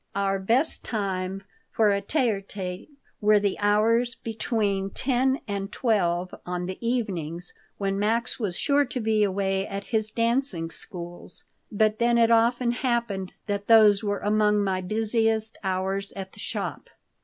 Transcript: Our best time for a tê à tˆte were the hours between 10 and 12 on the evenings, when Max was sure to be away at his dancing schools, but then it often happened that those were among my busiest hours at the shop.